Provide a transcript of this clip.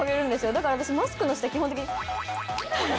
だから私マスクの下基本的に。